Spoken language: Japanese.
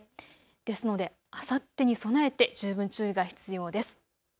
ですので、あさってに備えて十分注意が必要です。